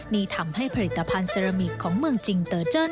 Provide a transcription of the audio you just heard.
นี่ทำให้ผลิตภัณฑ์เซรามิกของเมืองจิงเตอร์เจิ้น